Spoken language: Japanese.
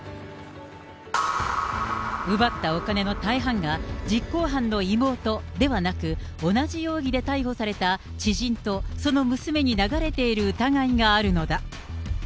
奪ったお金の大半が実行犯の妹ではなく、同じ容疑で逮捕された知人とその娘に流れている疑いがあるのだ。